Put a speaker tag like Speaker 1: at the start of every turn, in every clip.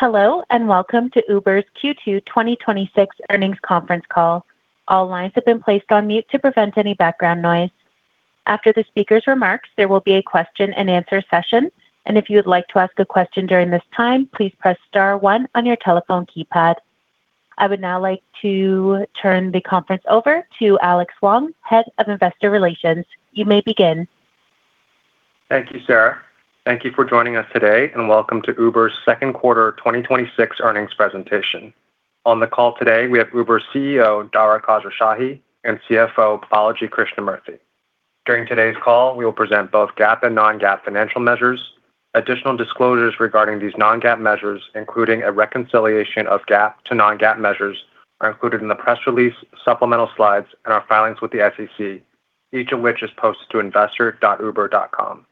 Speaker 1: Hello and welcome to Uber's Q2 2026 earnings conference call. All lines have been placed on mute to prevent any background noise. After the speaker's remarks, there will be a question-and-answer session. If you would like to ask a question during this time, please press star one on your telephone keypad. I would now like to turn the conference over to Alex Wang, Head of Investor Relations. You may begin.
Speaker 2: Thank you, Sarah. Thank you for joining us today and welcome to Uber's second quarter 2026 earnings presentation. On the call today, we have Uber's CEO, Dara Khosrowshahi, and CFO, Balaji Krishnamurthy. During today's call, we will present both GAAP and non-GAAP financial measures. Additional disclosures regarding these non-GAAP measures, including a reconciliation of GAAP to non-GAAP measures, are included in the press release, supplemental slides, and our filings with the SEC, each of which is posted to investor.uber.com.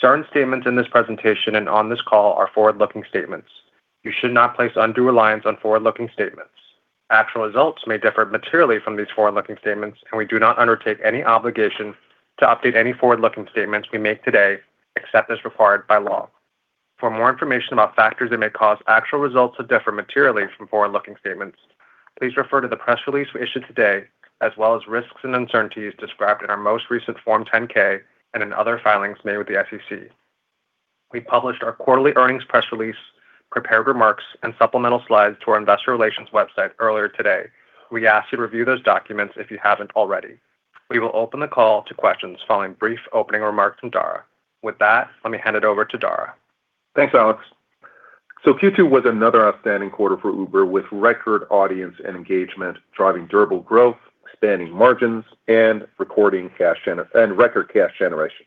Speaker 2: Certain statements in this presentation and on this call are forward-looking statements. You should not place undue reliance on forward-looking statements. Actual results may differ materially from these forward-looking statements. We do not undertake any obligation to update any forward-looking statements we make today, except as required by law. For more information about factors that may cause actual results to differ materially from forward-looking statements, please refer to the press release we issued today, as well as risks and uncertainties described in our most recent Form 10-K and in other filings made with the SEC. We published our quarterly earnings press release, prepared remarks, and supplemental slides to our investor relations website earlier today. We ask you to review those documents if you haven't already. We will open the call to questions following brief opening remarks from Dara. With that, let me hand it over to Dara.
Speaker 3: Thanks, Alex. Q2 was another outstanding quarter for Uber, with record audience and engagement, driving durable growth, expanding margins, and record cash generation.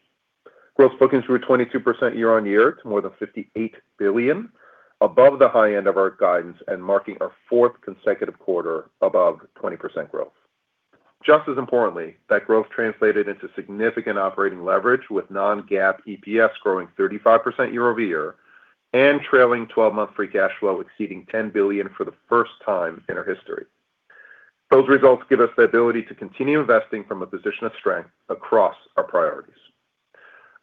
Speaker 3: Gross bookings were 22% year-over-year to more than $58 billion, above the high end of our guidance and marking our fourth consecutive quarter above 20% growth. Just as importantly, that growth translated into significant operating leverage with non-GAAP EPS growing 35% year-over-year and trailing 12-month free cash flow exceeding $10 billion for the first time in our history. Those results give us the ability to continue investing from a position of strength across our priorities.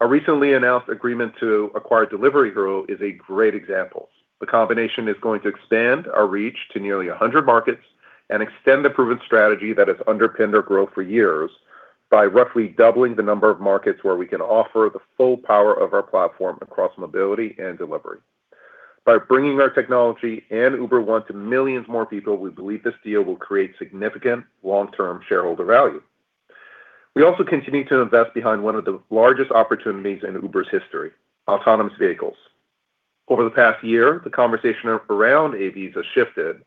Speaker 3: Our recently announced agreement to acquire Delivery Hero is a great example. The combination is going to expand our reach to nearly 100 markets and extend the proven strategy that has underpinned our growth for years by roughly doubling the number of markets where we can offer the full power of our platform across mobility and delivery. By bringing our technology and Uber One to millions more people, we believe this deal will create significant long-term shareholder value. We also continue to invest behind one of the largest opportunities in Uber's history, autonomous vehicles. Over the past year, the conversation around AVs has shifted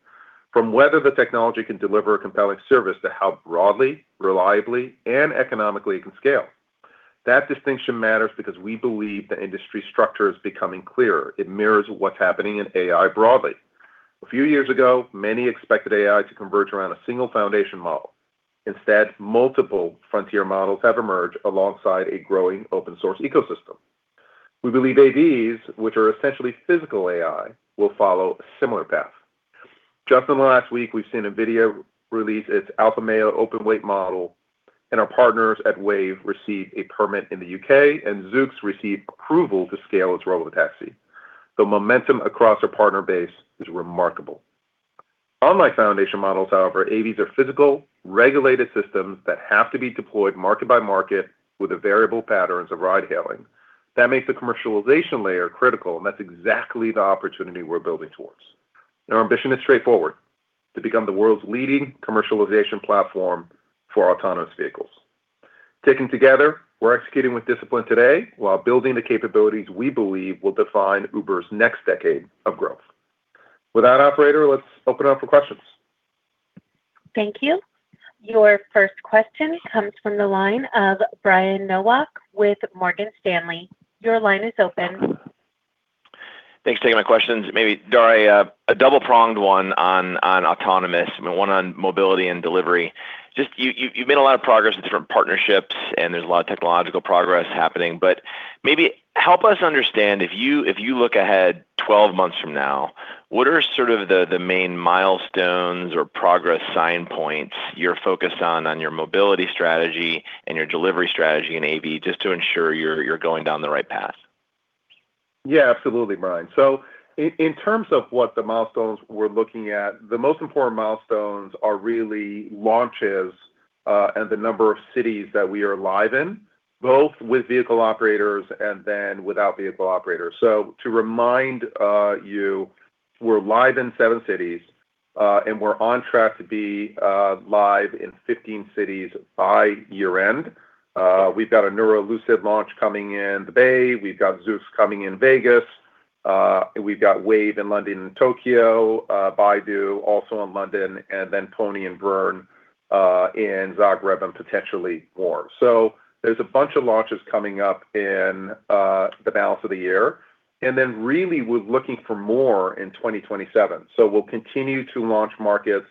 Speaker 3: from whether the technology can deliver a compelling service to how broadly, reliably, and economically it can scale. That distinction matters because we believe the industry structure is becoming clearer. It mirrors what's happening in AI broadly. A few years ago, many expected AI to converge around a single foundation model. Instead, multiple frontier models have emerged alongside a growing open source ecosystem. We believe AVs, which are essentially physical AI, will follow a similar path. Just in the last week, we've seen NVIDIA release its Alpamayo open weight model, and our partners at Wayve received a permit in the U.K., and Zoox received approval to scale its robotaxi. The momentum across our partner base is remarkable. Unlike foundation models, however, AVs are physical, regulated systems that have to be deployed market by market with the variable patterns of ride hailing. That makes the commercialization layer critical, and that's exactly the opportunity we're building towards. Our ambition is straightforward, to become the world's leading commercialization platform for autonomous vehicles. Taken together, we're executing with discipline today while building the capabilities we believe will define Uber's next decade of growth. With that, operator, let's open it up for questions.
Speaker 1: Thank you. Your first question comes from the line of Brian Nowak with Morgan Stanley. Your line is open.
Speaker 4: Thanks for taking my questions. Maybe, Dara, a double-pronged one on autonomous and one on mobility and delivery. Just you've made a lot of progress with different partnerships and there's a lot of technological progress happening, but maybe help us understand if you look ahead 12 months from now, what are sort of the main milestones or progress sign points you're focused on your mobility strategy and your delivery strategy in AV just to ensure you're going down the right path?
Speaker 3: Yeah, absolutely, Brian. In terms of what the milestones we're looking at, the most important milestones are really launches, and the number of cities that we are live in, both with vehicle operators and then without vehicle operators. To remind you, we're live in seven cities, and we're on track to be live in 15 cities by year-end. We've got a Nuro Lucid launch coming in the Bay. We've got Zoox coming in Vegas. We've got Wayve in London and Tokyo. Baidu also in London, and then Pony and Verne in Zagreb, and potentially more. There's a bunch of launches coming up in the balance of the year. Really, we're looking for more in 2027. We'll continue to launch markets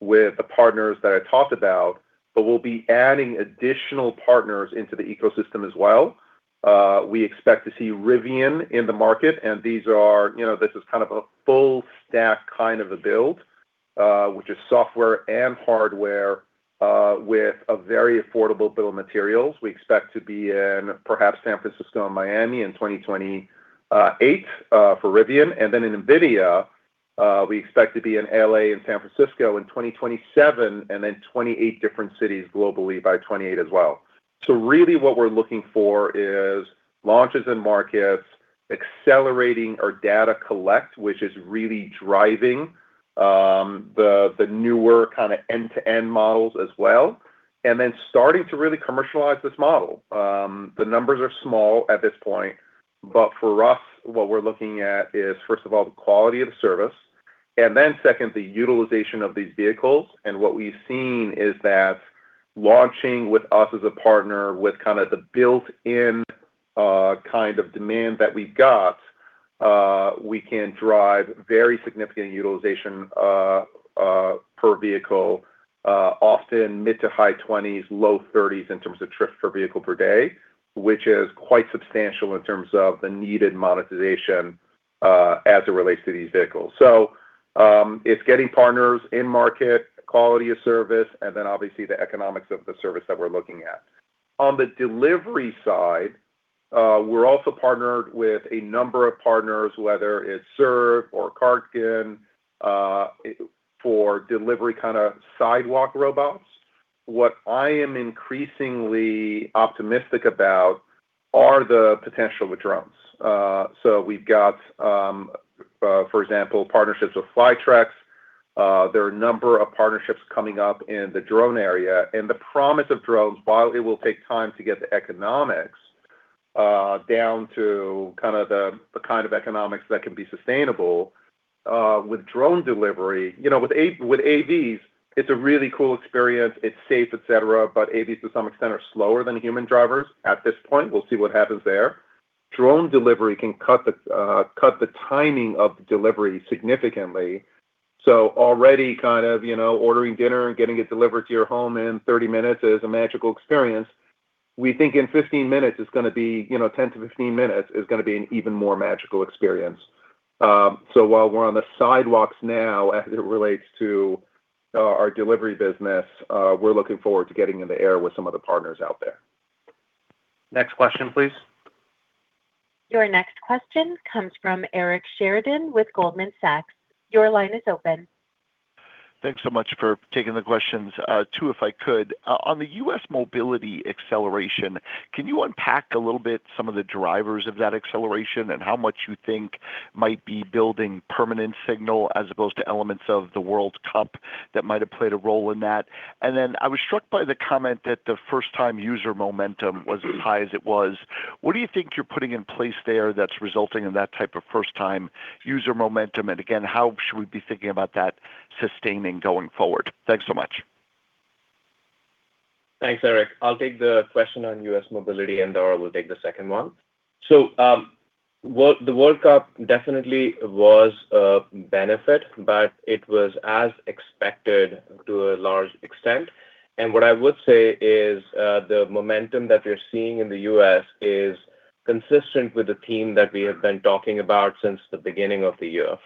Speaker 3: with the partners that I talked about, but we'll be adding additional partners into the ecosystem as well. We expect to see Rivian in the market. This is kind of a full stack kind of a build Which is software and hardware with a very affordable bill of materials. We expect to be in perhaps San Francisco and Miami in 2028 for Rivian. In NVIDIA, we expect to be in L.A. and San Francisco in 2027, and then 28 different cities globally by 2028 as well. Really what we're looking for is launches in markets, accelerating our data collect, which is really driving the newer kind of end-to-end models as well, and then starting to really commercialize this model. The numbers are small at this point, but for us, what we're looking at is, first of all, the quality of the service. Second, the utilization of these vehicles. What we've seen is that launching with us as a partner with the built-in kind of demand that we've got, we can drive very significant utilization per vehicle, often mid to high 20s, low 30s in terms of trips per vehicle per day, which is quite substantial in terms of the needed monetization, as it relates to these vehicles. It's getting partners in market, quality of service, and then obviously the economics of the service that we're looking at. On the delivery side, we're also partnered with a number of partners, whether it's Serve or Cartken, for delivery kind of sidewalk robots. What I am increasingly optimistic about are the potential with drones. We've got, for example, partnerships with Flytrex. There are a number of partnerships coming up in the drone area. The promise of drones, while it will take time to get the economics down to the kind of economics that can be sustainable with drone delivery. With AVs, it's a really cool experience, it's safe, etc., but AVs to some extent are slower than human drivers at this point. We'll see what happens there. Drone delivery can cut the timing of delivery significantly. Already ordering dinner and getting it delivered to your home in 30 minutes is a magical experience. We think in 15 minutes it's going to be, 10-15 minutes, is going to be an even more magical experience. While we're on the sidewalks now as it relates to our delivery business, we're looking forward to getting in the air with some of the partners out there.
Speaker 2: Next question, please.
Speaker 1: Your next question comes from Eric Sheridan with Goldman Sachs. Your line is open.
Speaker 5: Thanks so much for taking the questions. Two, if I could. On the U.S. mobility acceleration, can you unpack a little bit some of the drivers of that acceleration and how much you think might be building permanent signal as opposed to elements of the World Cup that might have played a role in that? I was struck by the comment that the first-time user momentum was as high as it was. What do you think you're putting in place there that's resulting in that type of first-time user momentum? Again, how should we be thinking about that sustaining going forward? Thanks so much.
Speaker 6: Thanks, Eric. I'll take the question on U.S. mobility. Dara will take the second one. The World Cup definitely was a benefit, but it was as expected to a large extent. What I would say is, the momentum that we're seeing in the U.S. is consistent with the theme that we have been talking about since the beginning of the year.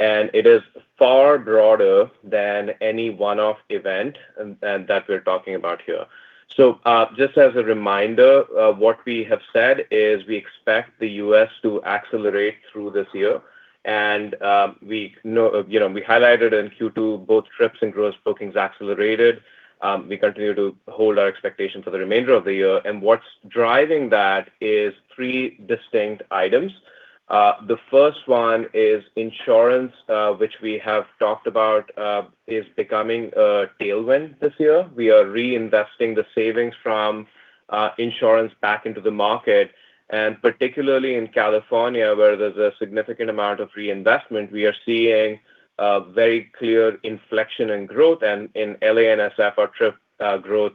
Speaker 6: It is far broader than any one-off event that we're talking about here. Just as a reminder, what we have said is we expect the U.S. to accelerate through this year. We highlighted in Q2, both trips and gross bookings accelerated. We continue to hold our expectation for the remainder of the year. What's driving that is three distinct items. The first one is insurance, which we have talked about, is becoming a tailwind this year. We are reinvesting the savings from insurance back into the market, particularly in California, where there's a significant amount of reinvestment. We are seeing a very clear inflection in growth. In L.A. and S.F., our trip growth,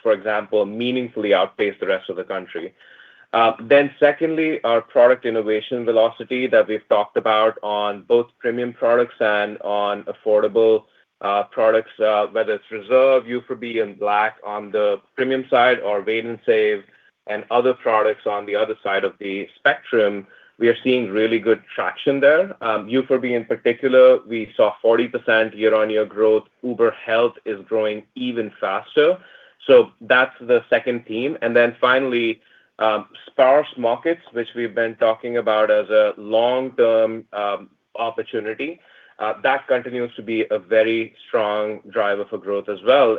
Speaker 6: for example, meaningfully outpaced the rest of the country. Secondly, our product innovation velocity that we've talked about on both premium products and on affordable products, whether it's Uber Reserve, Uber Premium and Uber Black on the premium side, or Wait & Save and other products on the other side of the spectrum. We are seeing really good traction there. Uber Premium in particular, we saw 40% year-on-year growth. Uber Health is growing even faster. That's the second theme. Finally, sparse markets, which we've been talking about as a long-term opportunity. That continues to be a very strong driver for growth as well.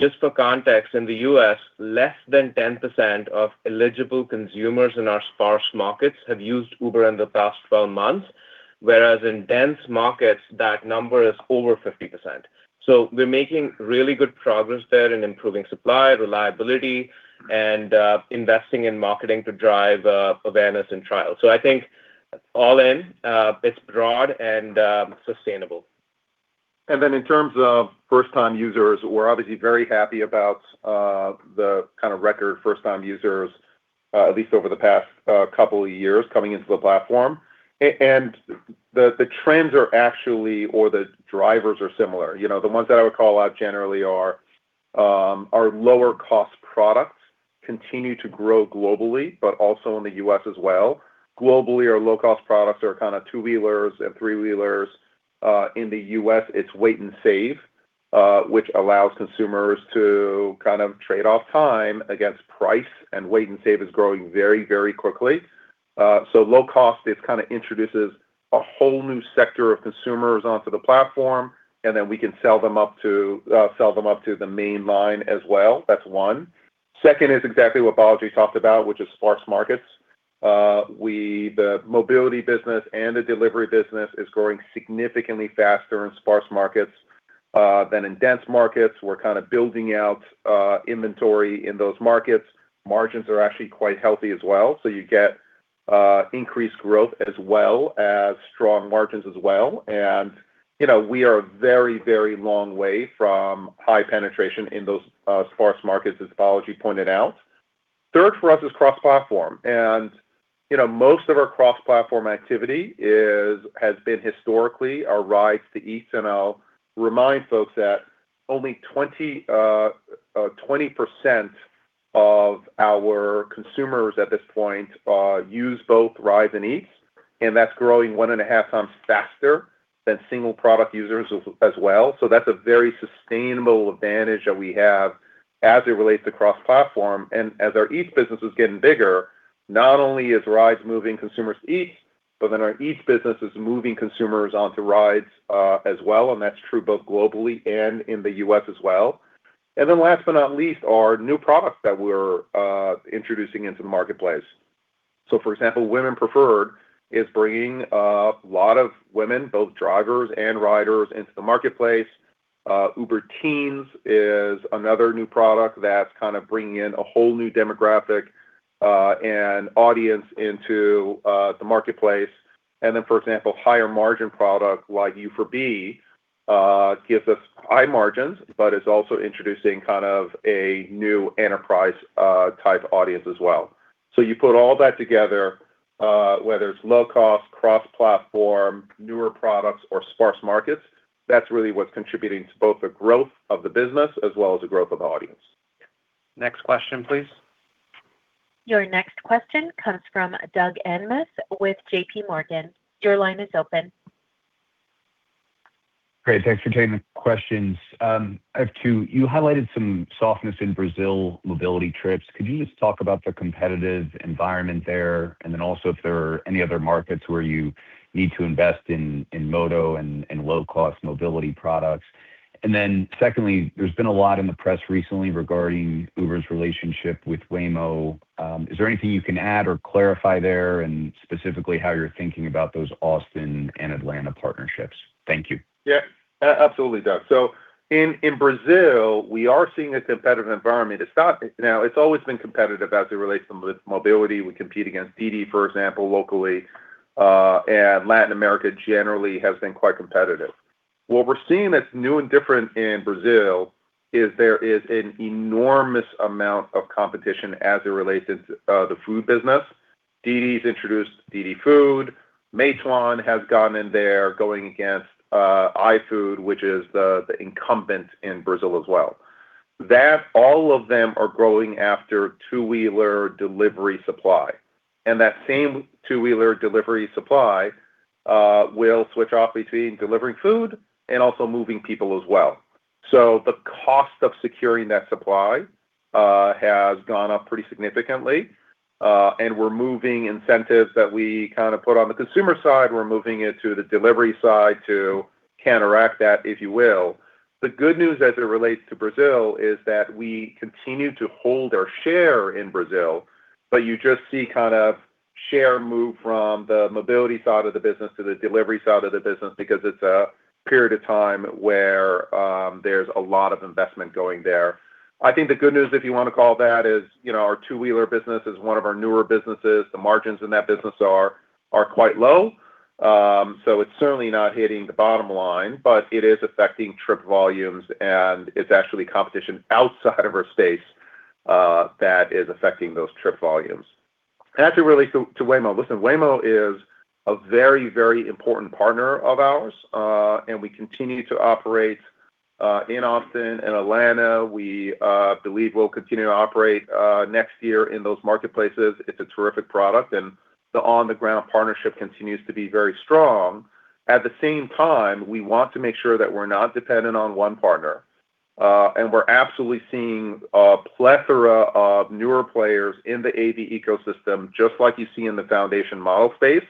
Speaker 6: Just for context, in the U.S., less than 10% of eligible consumers in our sparse markets have used Uber in the past 12 months. Whereas in dense markets, that number is over 50%. We're making really good progress there in improving supply, reliability, and investing in marketing to drive awareness and trial. I think all in, it's broad and sustainable.
Speaker 3: In terms of first-time users, we're obviously very happy about the record first-time users, at least over the past couple of years, coming into the platform. The trends are actually, or the drivers are similar. The ones that I would call out generally are lower cost products continue to grow globally, but also in the U.S. as well. Globally, our low-cost products are kind of two-wheelers and three-wheelers. In the U.S., it's Wait & Save, which allows consumers to kind of trade off time against price, and Wait & Save is growing very quickly. Low cost, it kind of introduces a whole new sector of consumers onto the platform, and then we can sell them up to the main line as well. That's one. Second is exactly what Balaji talked about, which is sparse markets. The mobility business and the delivery business is growing significantly faster in sparse markets than in dense markets. We're kind of building out inventory in those markets. Margins are actually quite healthy as well. You get increased growth as well as strong margins as well. We are a very long way from high penetration in those sparse markets, as Balaji pointed out. Third for us is cross-platform. Most of our cross-platform activity has been historically our Rides to Eats, and I'll remind folks that only 20% of our consumers at this point use both Rides and Eats, and that's growing 1.5x faster than single product users as well. That's a very sustainable advantage that we have as it relates to cross-platform. As our Eats business is getting bigger, not only is Rides moving consumers to Eats, our Eats business is moving consumers onto Rides as well, and that's true both globally and in the U.S. as well. Last but not least are new products that we're introducing into the marketplace. For example, Women Preferences is bringing a lot of women, both drivers and riders, into the marketplace. Uber Teens is another new product that's kind of bringing in a whole new demographic and audience into the marketplace. For example, higher margin product like Uber Black gives us high margins, but is also introducing kind of a new enterprise type audience as well. You put all that together, whether it's low cost, cross-platform, newer products, or sparse markets, that's really what's contributing to both the growth of the business as well as the growth of audience.
Speaker 2: Next question, please.
Speaker 1: Your next question comes from Doug Anmuth with JPMorgan. Your line is open.
Speaker 7: Great. Thanks for taking the questions. I have two. You highlighted some softness in Brazil mobility trips. Could you just talk about the competitive environment there, and then also if there are any other markets where you need to invest in Moto and low-cost mobility products? Secondly, there's been a lot in the press recently regarding Uber's relationship with Waymo. Is there anything you can add or clarify there, and specifically how you're thinking about those Austin and Atlanta partnerships? Thank you.
Speaker 3: Yeah, absolutely, Doug. In Brazil, we are seeing a competitive environment. It's always been competitive as it relates to mobility. We compete against Didi, for example, locally, and Latin America generally has been quite competitive. What we're seeing that's new and different in Brazil is there is an enormous amount of competition as it relates to the food business. Didi's introduced DiDi Food, Meituan has gone in there going against iFood, which is the incumbent in Brazil as well. All of them are going after two-wheeler delivery supply, and that same two-wheeler delivery supply will switch off between delivering food and also moving people as well. The cost of securing that supply has gone up pretty significantly. We're moving incentives that we kind of put on the consumer side, we're moving it to the delivery side to counteract that, if you will. The good news as it relates to Brazil is that we continue to hold our share in Brazil, but you just see kind of share move from the mobility side of the business to the delivery side of the business because it's a period of time where there's a lot of investment going there. I think the good news, if you want to call it that, is our two-wheeler business is one of our newer businesses. The margins in that business are quite low. It's certainly not hitting the bottom line, but it is affecting trip volumes, and it's actually competition outside of our space that is affecting those trip volumes. As it relates to Waymo, listen, Waymo is a very important partner of ours, and we continue to operate in Austin and Atlanta. We believe we'll continue to operate next year in those marketplaces. It's a terrific product, and the on-the-ground partnership continues to be very strong. At the same time, we want to make sure that we're not dependent on one partner. We're absolutely seeing a plethora of newer players in the AV ecosystem, just like you see in the foundation model space.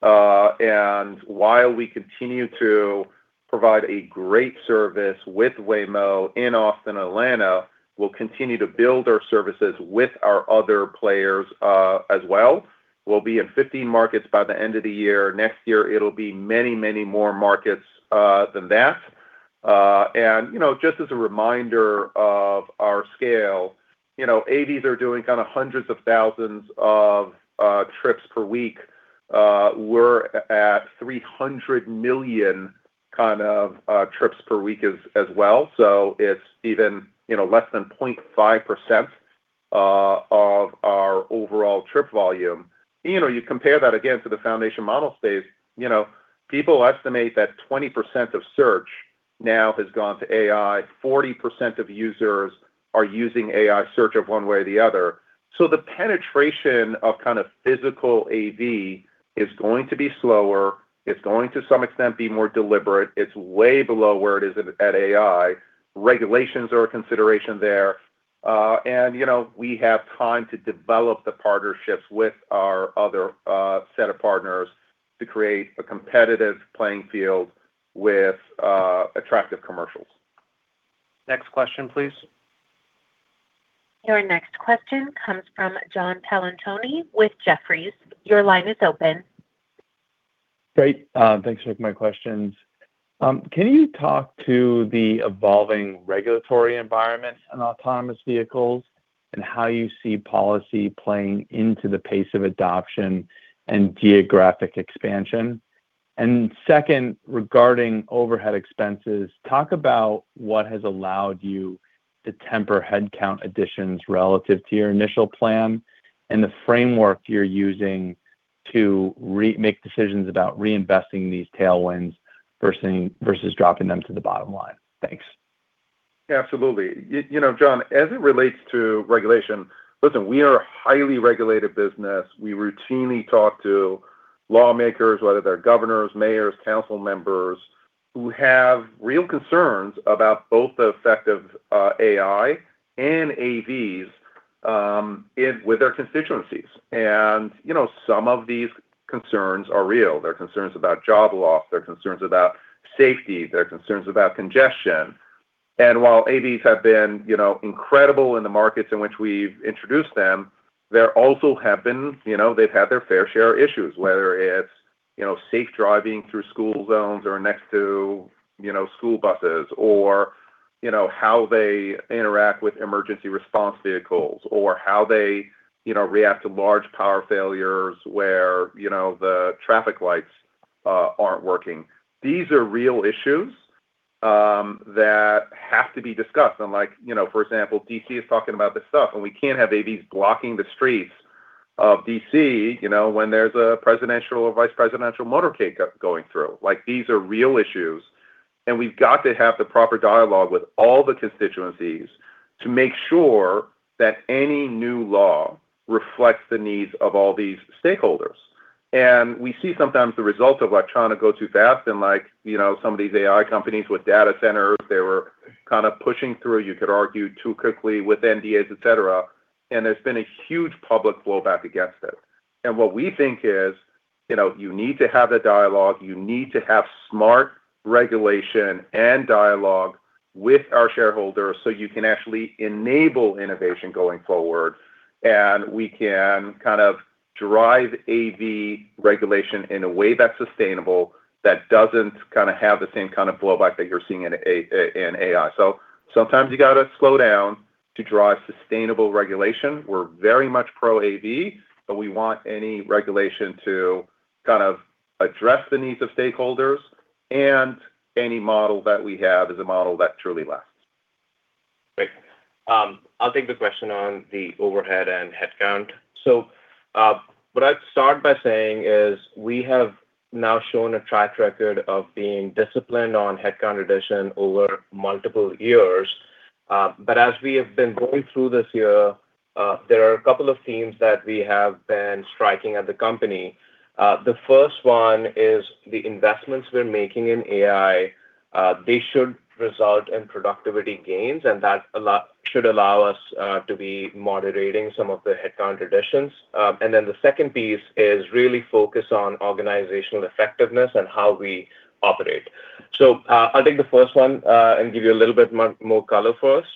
Speaker 3: While we continue to provide a great service with Waymo in Austin and Atlanta, we'll continue to build our services with our other players as well. We'll be in 15 markets by the end of the year. Next year, it'll be many more markets than that. Just as a reminder of our scale, AVs are doing kind of hundreds of thousands of trips per week. We're at 300 million kind of trips per week as well. It's even less than 0.5% of our overall trip volume. You compare that again to the foundation model space, people estimate that 20% of search now has gone to AI. 40% of users are using AI search of one way or the other. The penetration of kind of physical AV is going to be slower, it's going to some extent be more deliberate. It's way below where it is at AI. Regulations are a consideration there. We have time to develop the partnerships with our other set of partners to create a competitive playing field with attractive commercials.
Speaker 2: Next question, please.
Speaker 1: Your next question comes from John Colantuoni with Jefferies. Your line is open.
Speaker 8: Great. Thanks for taking my questions. Can you talk to the evolving regulatory environment in autonomous vehicles and how you see policy playing into the pace of adoption and geographic expansion? Second, regarding overhead expenses, talk about what has allowed you to temper headcount additions relative to your initial plan and the framework you're using to make decisions about reinvesting these tailwinds versus dropping them to the bottom line. Thanks.
Speaker 3: Yeah, absolutely. John, as it relates to regulation, listen, we are a highly regulated business. We routinely talk to lawmakers, whether they're governors, mayors, council members, who have real concerns about both the effect of AI and AVs with their constituencies. Some of these concerns are real. There are concerns about job loss, there are concerns about safety, there are concerns about congestion. While AVs have been incredible in the markets in which we've introduced them, they've had their fair share of issues, whether it's safe driving through school zones or next to school buses or how they interact with emergency response vehicles or how they react to large power failures where the traffic lights aren't working. These are real issues that have to be discussed. Like, for example, D.C. is talking about this stuff, and we can't have AVs blocking the streets of D.C., when there's a presidential or vice presidential motorcade going through. These are real issues, and we've got to have the proper dialogue with all the constituencies to make sure that any new law reflects the needs of all these stakeholders. We see sometimes the result of trying to go too fast and some of these AI companies with data centers, they were kind of pushing through, you could argue, too quickly with NDAs, etc., and there's been a huge public blowback against it. What we think is, you need to have the dialogue, you need to have smart regulation and dialogue with our shareholders so you can actually enable innovation going forward. We can drive AV regulation in a way that's sustainable, that doesn't have the same kind of blowback that you're seeing in AI. Sometimes you've got to slow down to drive sustainable regulation. We're very much pro-AV, we want any regulation to kind of address the needs of stakeholders and any model that we have is a model that truly lasts.
Speaker 6: Great. I'll take the question on the overhead and headcount. What I'd start by saying is we have now shown a track record of being disciplined on headcount addition over multiple years. As we have been going through this year, there are a couple of themes that we have been striking at the company. The first one is the investments we're making in AI. They should result in productivity gains, and that should allow us to be moderating some of the headcount additions. The second piece is really focus on organizational effectiveness and how we operate. I'll take the first one, and give you a little bit more color first.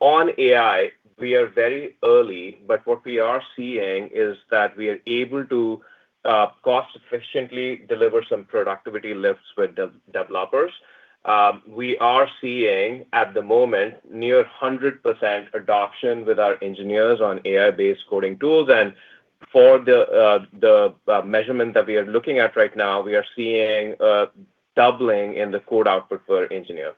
Speaker 6: On AI, we are very early, but what we are seeing is that we are able to cost-efficiently deliver some productivity lifts with developers. We are seeing, at the moment, near 100% adoption with our engineers on AI-based coding tools, for the measurement that we are looking at right now, we are seeing a doubling in the code output per engineer.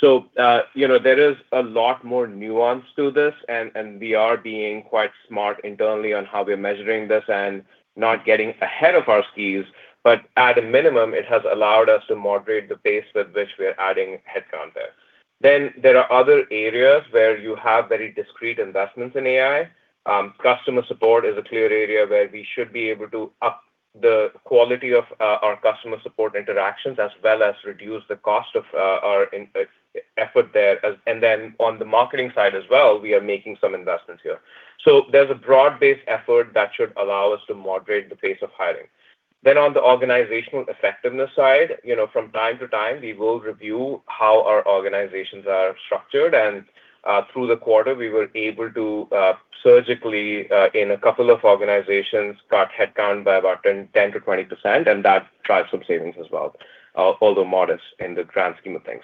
Speaker 6: There is a lot more nuance to this, and we are being quite smart internally on how we are measuring this and not getting ahead of our skis. At a minimum, it has allowed us to moderate the pace with which we are adding headcount there. There are other areas where you have very discreet investments in AI. Customer support is a clear area where we should be able to up the quality of our customer support interactions as well as reduce the cost of our effort there. On the marketing side as well, we are making some investments here. There's a broad-based effort that should allow us to moderate the pace of hiring. On the organizational effectiveness side, from time to time, we will review how our organizations are structured, and through the quarter, we were able to surgically, in a couple of organizations, cut headcount by about 10%-20%, and that drives some savings as well, although modest in the grand scheme of things.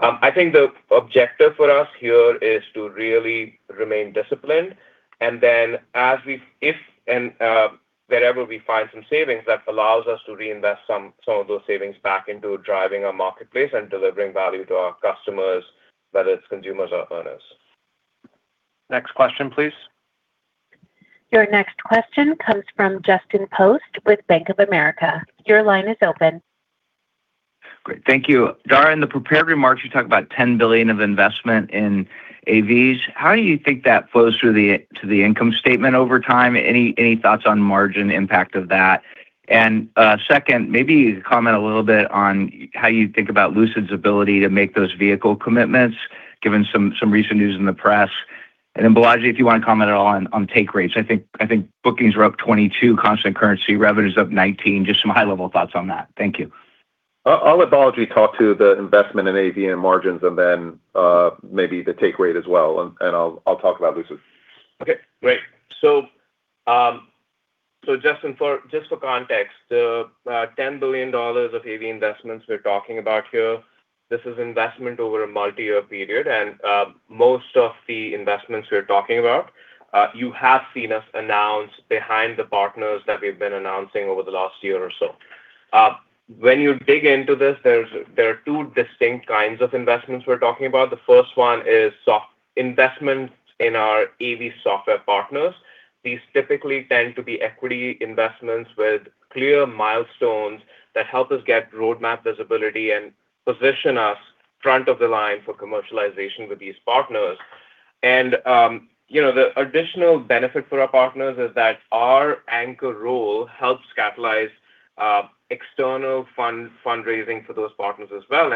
Speaker 6: I think the objective for us here is to really remain disciplined, wherever we find some savings, that allows us to reinvest some of those savings back into driving our marketplace and delivering value to our customers, whether it's consumers or earners.
Speaker 2: Next question, please.
Speaker 1: Your next question comes from Justin Post with Bank of America. Your line is open.
Speaker 9: Great. Thank you. Dara, in the prepared remarks, you talked about $10 billion of investment in AVs. How do you think that flows through to the income statement over time? Any thoughts on margin impact of that? Second, maybe comment a little bit on how you think about Lucid's ability to make those vehicle commitments, given some recent news in the press. Balaji, if you want to comment at all on take rates. I think bookings were up 22%, constant currency revenues up 19%. Just some high-level thoughts on that. Thank you.
Speaker 3: I'll let Balaji talk to the investment in AV and margins and then maybe the take rate as well. I'll talk about Lucid.
Speaker 6: Okay, great. Justin, just for context, the $10 billion of AV investments we're talking about here, this is investment over a multi-year period. Most of the investments we're talking about, you have seen us announce behind the partners that we've been announcing over the last year or so. When you dig into this, there are two distinct kinds of investments we're talking about. The first one is soft investments in our AV software partners. These typically tend to be equity investments with clear milestones that help us get roadmap visibility and position us front of the line for commercialization with these partners. The additional benefit for our partners is that our anchor role helps catalyze external fundraising for those partners as well.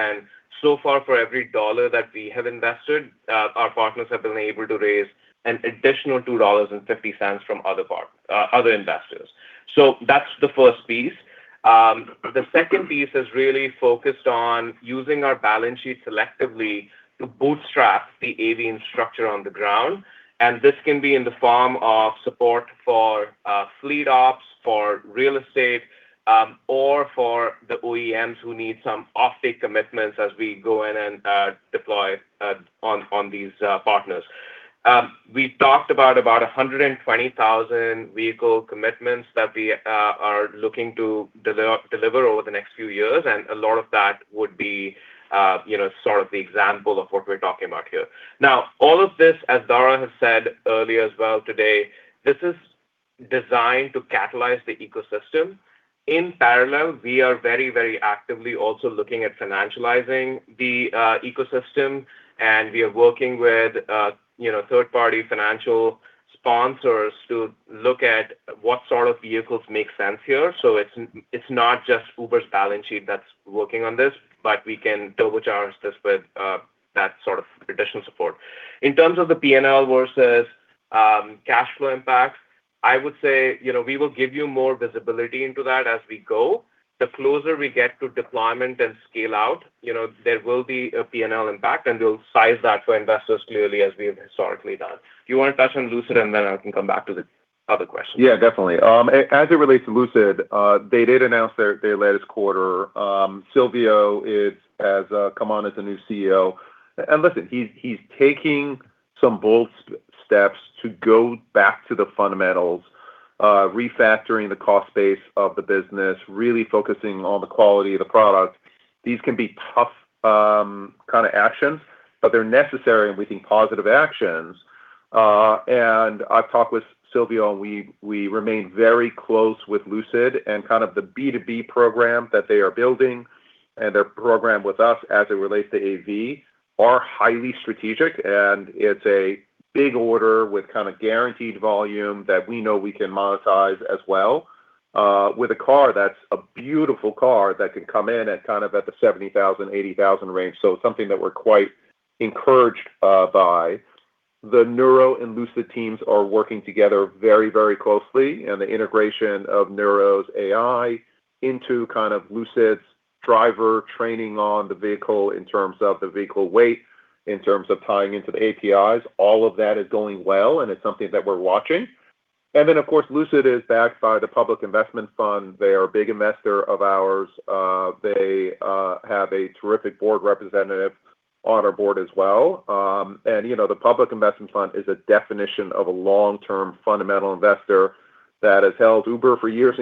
Speaker 6: So far, for every dollar that we have invested, our partners have been able to raise an additional $2.50 from other investors. That's the first piece. The second piece is really focused on using our balance sheet selectively to bootstrap the AV infrastructure on the ground. This can be in the form of support for fleet ops, for real estate, or for the OEMs who need some off-take commitments as we go in and deploy on these partners. We talked about 120,000 vehicle commitments that we are looking to deliver over the next few years, and a lot of that would be sort of the example of what we're talking about here. All of this, as Dara has said earlier as well today, this is designed to catalyze the ecosystem. In parallel, we are very actively also looking at financializing the ecosystem, and we are working with third-party financial sponsors to look at what sort of vehicles make sense here. It's not just Uber's balance sheet that's working on this, but we can turbocharge this with that sort of traditional support. In terms of the P&L versus cash flow impact, I would say we will give you more visibility into that as we go. The closer we get to deployment and scale out, there will be a P&L impact, and we'll size that to investors clearly as we have historically done. Do you want to touch on Lucid and I can come back to the other question?
Speaker 3: Yeah, definitely. As it relates to Lucid, they did announce their latest quarter. Silvio has come on as the new CEO. Listen, he's taking some bold steps to go back to the fundamentals, refactoring the cost base of the business, really focusing on the quality of the product. These can be tough kind of actions, but they're necessary and we think positive actions. I've talked with Silvio, and we remain very close with Lucid and kind of the B2B program that they are building and their program with us as it relates to AV are highly strategic. It's a big order with kind of guaranteed volume that we know we can monetize as well, with a car that's a beautiful car that can come in at kind of at the $70,000-$80,000 range. Something that we're quite encouraged by. The Nuro and Lucid teams are working together very closely, and the integration of Nuro's AI into kind of Lucid's driver training on the vehicle in terms of the vehicle weight, in terms of tying into the APIs, all of that is going well, and it's something that we're watching. Of course, Lucid is backed by the Public Investment Fund. They are a big investor of ours. They have a terrific board representative on our board as well. The Public Investment Fund is a definition of a long-term fundamental investor that has held Uber for years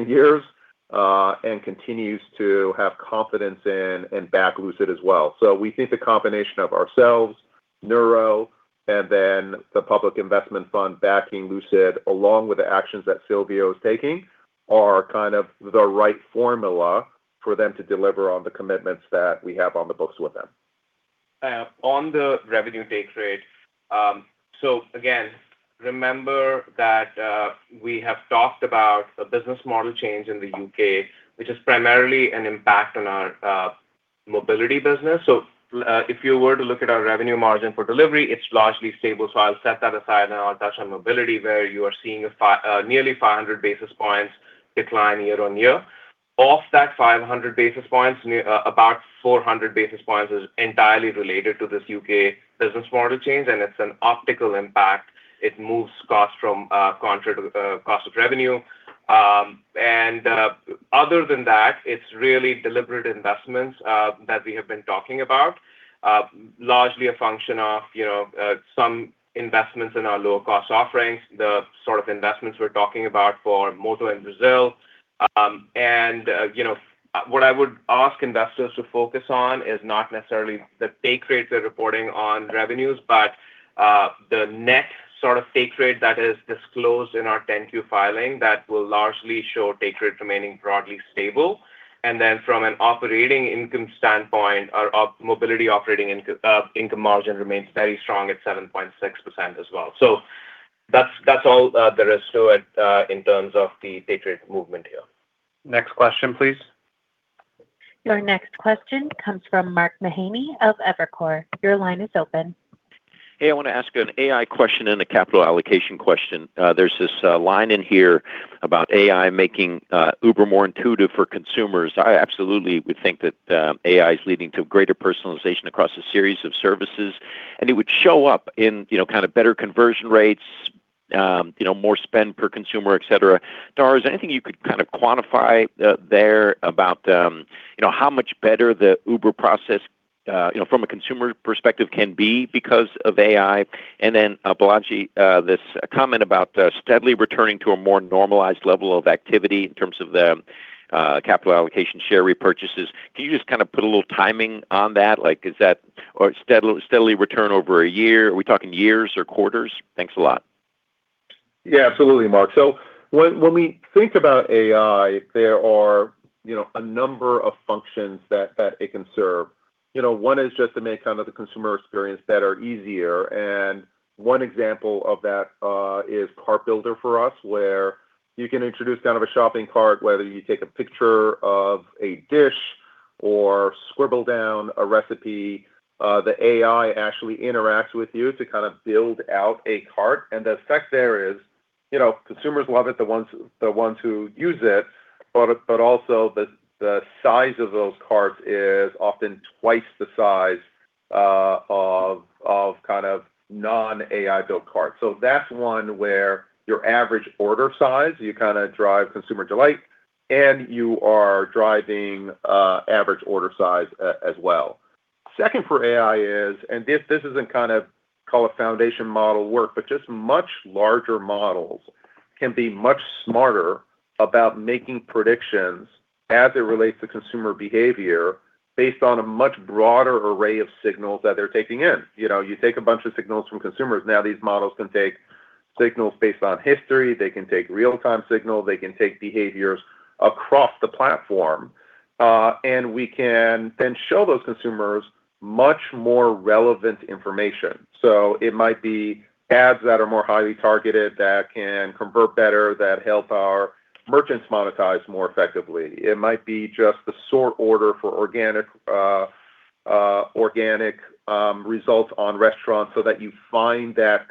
Speaker 3: and years, and continues to have confidence in and back Lucid as well. We think the combination of ourselves, Nuro, and the Public Investment Fund backing Lucid, along with the actions that Silvio is taking, are kind of the right formula for them to deliver on the commitments that we have on the books with them.
Speaker 6: Again, remember that we have talked about a business model change in the U.K., which is primarily an impact on our mobility business. If you were to look at our revenue margin for delivery, it's largely stable. I'll set that aside and I'll touch on mobility, where you are seeing a nearly 500 basis points decline year-on-year. Of that 500 basis points, about 400 basis points is entirely related to this U.K. business model change, and it's an optical impact. It moves cost from cost of revenue. Other than that, it's really deliberate investments that we have been talking about. Largely a function of some investments in our lower cost offerings, the sort of investments we're talking about for Moto and Brazil. What I would ask investors to focus on is not necessarily the take rates they're reporting on revenues, but the net sort of take rate that is disclosed in our 10-Q filing that will largely show take rate remaining broadly stable. From an operating income standpoint, our mobility operating income margin remains very strong at 7.6% as well. That's all there is to it in terms of the take rate movement here.
Speaker 2: Next question, please.
Speaker 1: Your next question comes from Mark Mahaney of Evercore. Your line is open.
Speaker 10: Hey, I want to ask you an AI question and a capital allocation question. There's this line in here about AI making Uber more intuitive for consumers. I absolutely would think that AI is leading to greater personalization across a series of services, and it would show up in better conversion rates, more spend per consumer, etc. Dara, is there anything you could kind of quantify there about how much better the Uber process from a consumer perspective can be because of AI? Balaji, this comment about steadily returning to a more normalized level of activity in terms of the capital allocation share repurchases. Can you just put a little timing on that? Like, is that steadily return over a year? Are we talking years or quarters? Thanks a lot.
Speaker 3: Absolutely, Mark. When we think about AI, there are a number of functions that it can serve. One is just to make the consumer experience better, easier. One example of that is Cart Assistant for us, where you can introduce a shopping cart, whether you take a picture of a dish or scribble down a recipe. The AI actually interacts with you to build out a cart. The effect there is consumers love it, the ones who use it, but also the size of those carts is often twice the size of non-AI-built carts. That's one where your average order size, you drive consumer delight, and you are driving average order size as well. Second for AI is, this isn't call it foundation model work, but just much larger models can be much smarter about making predictions as it relates to consumer behavior based on a much broader array of signals that they're taking in. You take a bunch of signals from consumers. These models can take signals based on history. They can take real-time signals. They can take behaviors across the platform. We can then show those consumers much more relevant information. It might be ads that are more highly targeted, that can convert better, that help our merchants monetize more effectively. It might be just the sort order for organic results on restaurants so that you find that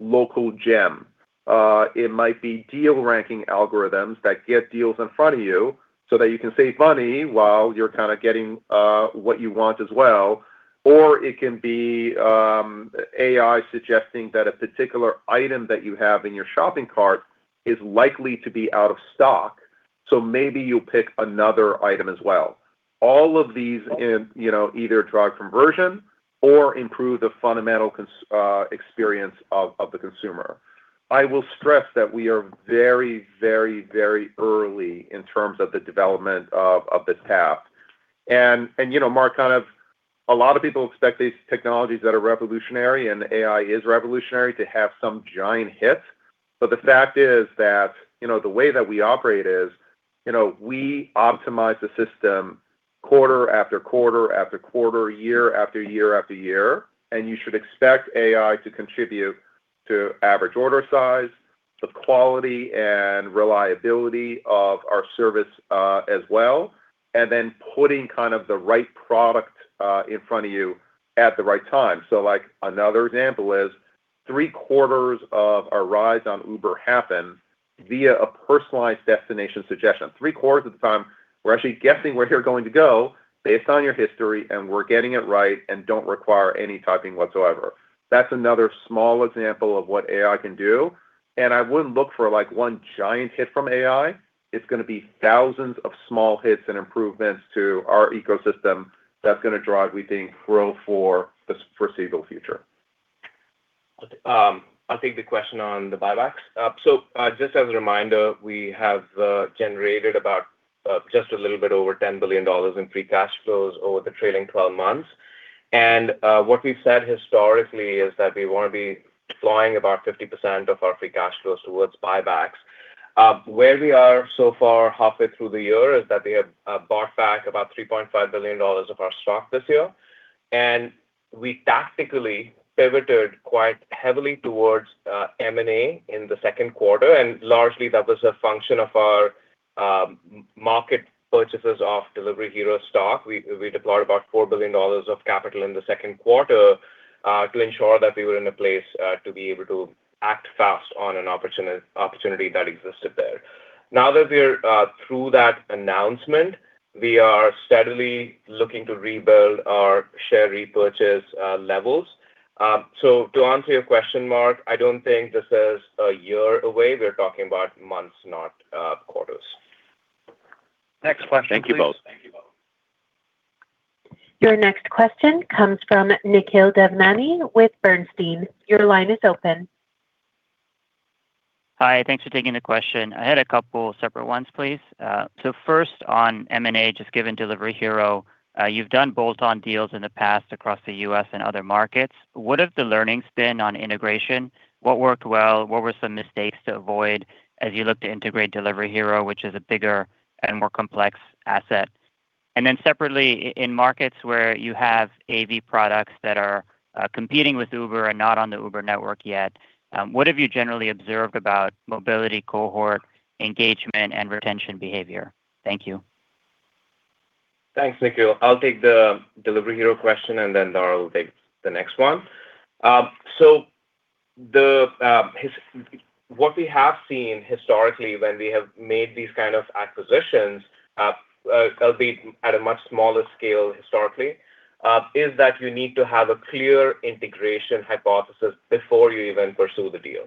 Speaker 3: local gem. It might be deal-ranking algorithms that get deals in front of you so that you can save money while you're getting what you want as well. It can be AI suggesting that a particular item that you have in your shopping cart is likely to be out of stock, so maybe you'll pick another item as well. All of these either drive conversion or improve the fundamental experience of the consumer. I will stress that we are very early in terms of the development of this path. Mark, a lot of people expect these technologies that are revolutionary, and AI is revolutionary, to have some giant hit. The fact is that, the way that we operate is, we optimize the system quarter after quarter after quarter, year after year after year, and you should expect AI to contribute to average order size, the quality and reliability of our service as well, and then putting the right product in front of you at the right time. Another example is 3/4 of our rides on Uber happen via a personalized destination suggestion. Three-quarters of the time, we're actually guessing where you're going to go based on your history, and we're getting it right, and don't require any typing whatsoever. That's another small example of what AI can do, and I wouldn't look for one giant hit from AI. It's going to be thousands of small hits and improvements to our ecosystem that's going to drive, we think, growth for the foreseeable future.
Speaker 6: I'll take the question on the buybacks. Just as a reminder, we have generated about just a little bit over $10 billion in free cash flows over the trailing 12 months. What we've said historically is that we want to be deploying about 50% of our free cash flows towards buybacks. Where we are so far, halfway through the year, is that we have bought back about $3.5 billion of our stock this year. We tactically pivoted quite heavily towards M&A in the second quarter, and largely that was a function of our market purchases of Delivery Hero stock. We deployed about $4 billion of capital in the second quarter to ensure that we were in a place to be able to act fast on an opportunity that existed there. Now that we're through that announcement, we are steadily looking to rebuild our share repurchase levels. To answer your question, Mark, I don't think this is a year away. We're talking about months, not quarters.
Speaker 2: Next question, please.
Speaker 10: Thank you both
Speaker 1: Your next question comes from Nikhil Devnani with Bernstein. Your line is open.
Speaker 11: Hi. Thanks for taking the question. I had a couple separate ones, please. First on M&A, just given Delivery Hero, you've done bolt-on deals in the past across the U.S. and other markets. What have the learnings been on integration? What worked well? What were some mistakes to avoid as you look to integrate Delivery Hero, which is a bigger and more complex asset? And then separately, in markets where you have AV products that are competing with Uber and not on the Uber network yet, what have you generally observed about mobility cohort engagement and retention behavior? Thank you.
Speaker 6: Thanks, Nikhil. I'll take the Delivery Hero question, and then Dara will take the next one. What we have seen historically when we have made these kind of acquisitions, albeit at a much smaller scale historically, is that you need to have a clear integration hypothesis before you even pursue the deal.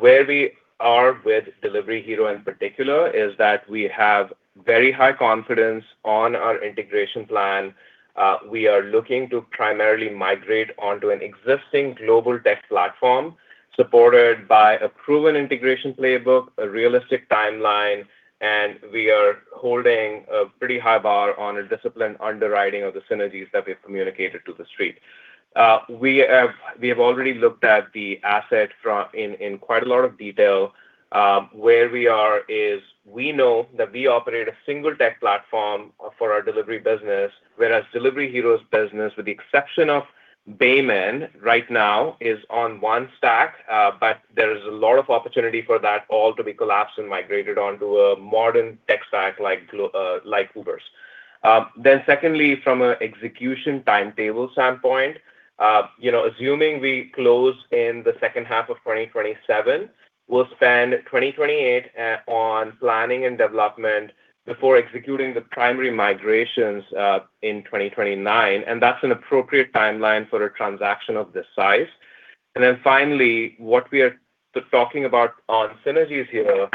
Speaker 6: Where we are with Delivery Hero in particular is that we have very high confidence on our integration plan. We are looking to primarily migrate onto an existing global tech platform supported by a proven integration playbook. A realistic timeline, and we are holding a pretty high bar on a disciplined underwriting of the synergies that we've communicated to The Street. We have already looked at the asset in quite a lot of detail. Where we are is we know that we operate a single tech platform for our delivery business, whereas Delivery Hero's business, with the exception of Baemin right now, is on one stack. There is a lot of opportunity for that all to be collapsed and migrated onto a modern tech stack like Uber's. Secondly, from an execution timetable standpoint, assuming we close in the second half of 2027. We'll spend 2028 on planning and development before executing the primary migrations in 2029, and that's an appropriate timeline for a transaction of this size. Finally, what we are talking about on synergies here,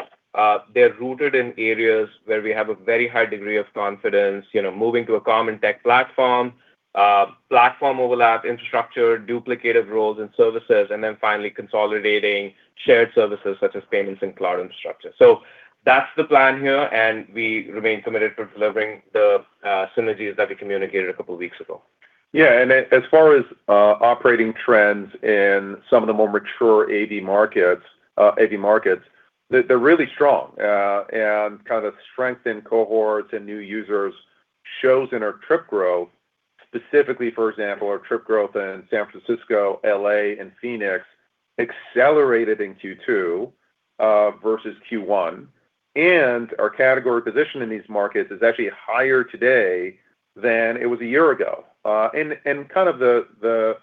Speaker 6: they're rooted in areas where we have a very high degree of confidence, moving to a common tech platform overlap, infrastructure, duplicative roles and services, and then finally consolidating shared services such as payments and cloud infrastructure. That's the plan here, we remain committed to delivering the synergies that we communicated a couple of weeks ago.
Speaker 3: As far as operating trends in some of the more mature AV markets, they're really strong. Strength in cohorts and new users shows in our trip growth. Specifically, for example, our trip growth in San Francisco, L.A., and Phoenix accelerated in Q2 versus Q1. Our category position in these markets is actually higher today than it was a year ago. The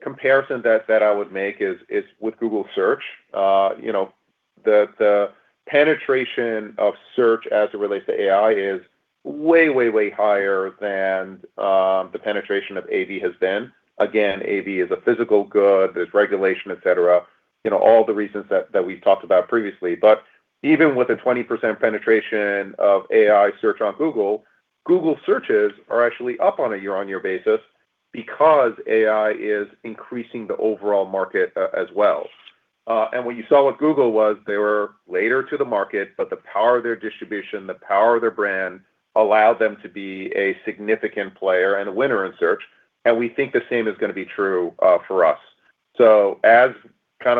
Speaker 3: comparison that I would make is with Google Search. The penetration of Search as it relates to AI is way higher than the penetration of AV has been. Again, AV is a physical good. There's regulation, etc. All the reasons that we've talked about previously. Even with a 20% penetration of AI search on Google searches are actually up on a year-over-year basis because AI is increasing the overall market as well. What you saw with Google was they were later to the market, the power of their distribution, the power of their brand, allowed them to be a significant player and a winner in Search, we think the same is going to be true for us. As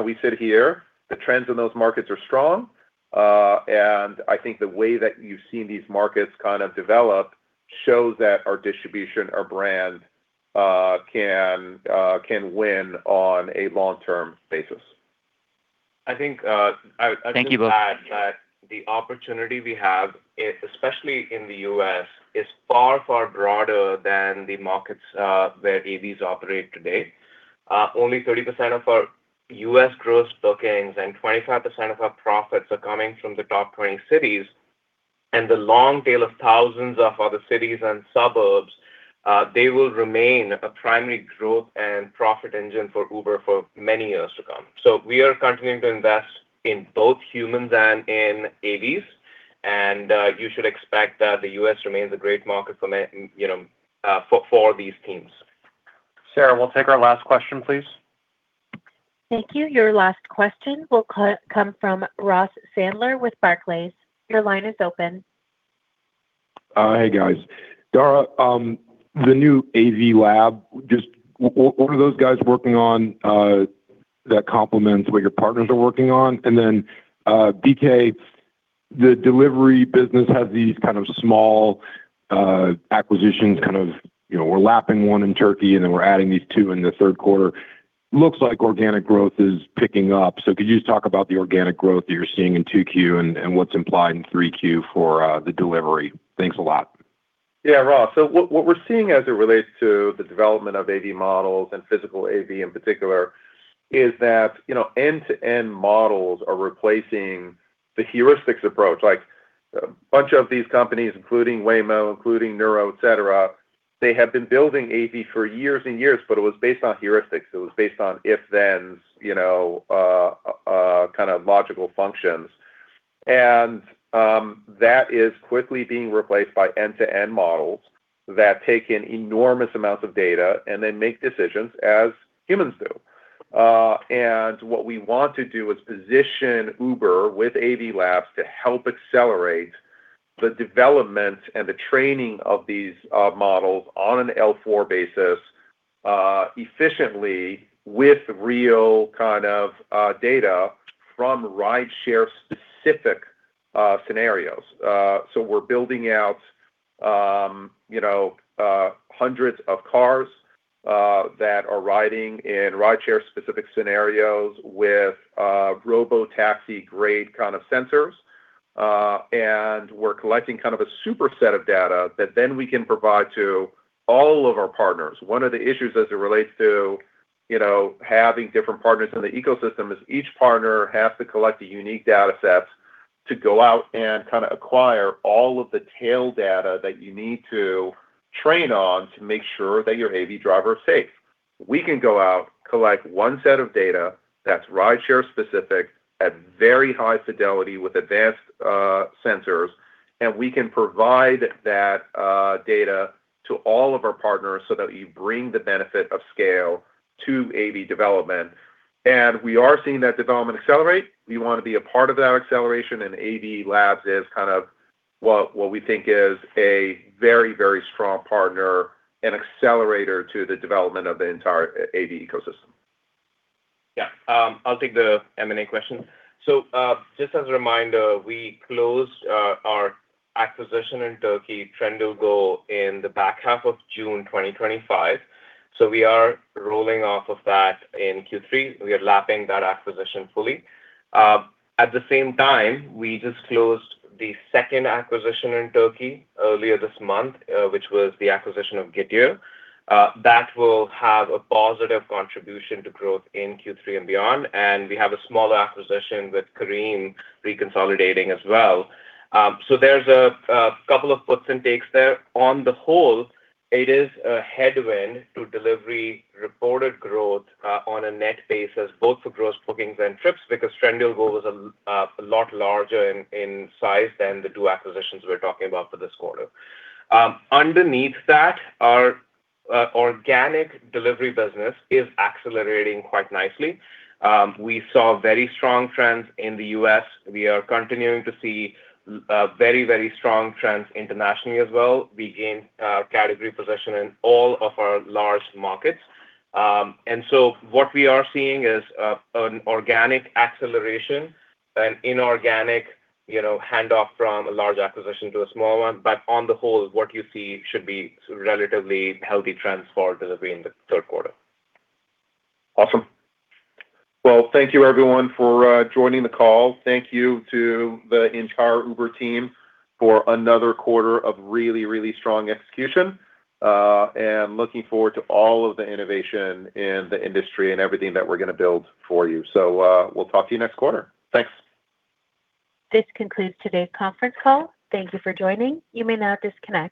Speaker 3: we sit here, the trends in those markets are strong. I think the way that you've seen these markets develop shows that our distribution, our brand, can win on a long-term basis.
Speaker 6: I think.
Speaker 11: Thank you both.
Speaker 6: I would add that the opportunity we have, especially in the U.S., is far broader than the markets where AVs operate today. Only 30% of our U.S. gross bookings and 25% of our profits are coming from the top 20 cities. The long tail of thousands of other cities and suburbs, they will remain a primary growth and profit engine for Uber for many years to come. We are continuing to invest in both humans and in AVs, and you should expect that the U.S. remains a great market for these teams.
Speaker 3: Sarah, we'll take our last question, please.
Speaker 1: Thank you. Your last question will come from Ross Sandler with Barclays. Your line is open.
Speaker 12: Hey, guys. Dara, the new AV Labs, just what are those guys working on that complements what your partners are working on? Then, DK, the delivery business has these small acquisitions. We're lapping one in Türkiye, then we're adding these two in the third quarter. Looks like organic growth is picking up. Could you just talk about the organic growth that you're seeing in 2Q and what's implied in 3Q for the delivery? Thanks a lot.
Speaker 3: Yeah, Ross. What we're seeing as it relates to the development of AV models and physical AV in particular is that end-to-end models are replacing the heuristics approach. A bunch of these companies, including Waymo, including Nuro, etc, they have been building AV for years and years, but it was based on heuristics. It was based on if/thens, logical functions. That is quickly being replaced by end-to-end models that take in enormous amounts of data and then make decisions as humans do. What we want to do is position Uber with AV Labs to help accelerate the development and the training of these models on an L4 basis efficiently with real data from rideshare-specific scenarios. We're building out hundreds of cars that are riding in rideshare-specific scenarios with robotaxi-grade kind of sensors. We're collecting a super set of data that then we can provide to all of our partners. One of the issues as it relates to having different partners in the ecosystem is each partner has to collect a unique data set to go out and acquire all of the tail data that you need to train on to make sure that your AV driver is safe. We can go out, collect one set of data that's rideshare specific at very high fidelity with advanced sensors, and we can provide that data to all of our partners so that you bring the benefit of scale to AV development. We are seeing that development accelerate. We want to be a part of that acceleration, AV Labs is what we think is a very, very strong partner and accelerator to the development of the entire AV ecosystem.
Speaker 6: Yeah. I'll take the M&A question. Just as a reminder, we closed our acquisition in Turkey, Trendyol, in the back half of June 2025. We are rolling off of that in Q3. We are lapping that acquisition fully. At the same time, we just closed the second acquisition in Turkey earlier this month, which was the acquisition of Getir. That will have a positive contribution to growth in Q3 and beyond. We have a small acquisition with Careem reconsolidating as well. There's a couple of puts and takes there. On the whole, it is a headwind to delivery reported growth on a net basis, both for gross bookings and trips, because Trendyol was a lot larger in size than the two acquisitions we're talking about for this quarter. Underneath that, our organic delivery business is accelerating quite nicely. We saw very strong trends in the U.S. We are continuing to see very, very strong trends internationally as well. We gained category possession in all of our large markets. What we are seeing is an organic acceleration, an inorganic handoff from a large acquisition to a small one. On the whole, what you see should be relatively healthy trends for delivery in the third quarter.
Speaker 3: Awesome. Well, thank you everyone for joining the call. Thank you to the entire Uber team for another quarter of really, really strong execution. Looking forward to all of the innovation in the industry and everything that we're going to build for you. We'll talk to you next quarter. Thanks.
Speaker 1: This concludes today's conference call. Thank you for joining. You may now disconnect.